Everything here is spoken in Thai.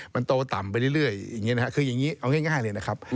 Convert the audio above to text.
มันโตต่ำไปเรื่อยคือยังงี้เอาง่ายนะครับ